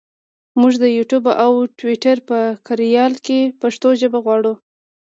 مونږ د یوټوپ او ټویټر په کاریال کې پښتو ژبه غواړو.